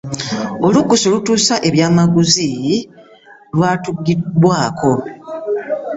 Olukusa olutuusa ebyamaguzi lwatuggiddwaako.